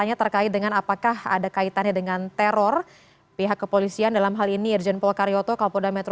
jalan proklamasi jakarta pusat